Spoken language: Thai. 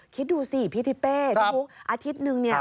คิดดูสิพี่ทิเป้ก็พูดอาทิตย์หนึ่งเนี่ย